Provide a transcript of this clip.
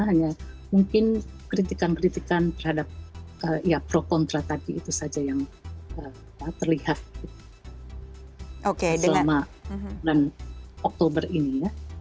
hanya mungkin kritikan kritikan terhadap pro kontra tadi itu saja yang terlihat selama bulan oktober ini ya